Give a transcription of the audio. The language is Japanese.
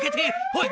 おい！